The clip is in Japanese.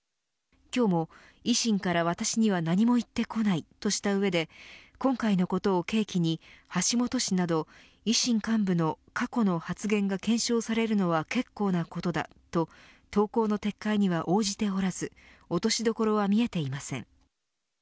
今日も維新から私には何も言ってこないとした上で今回のことを契機に、橋下氏など維新幹部の過去の発言が検証されるのは結構なことだと投稿の撤回には応じておらず落としどころは見えていません。